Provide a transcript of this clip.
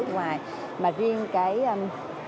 của bên em